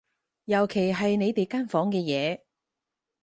尤其係你哋間房嘅嘢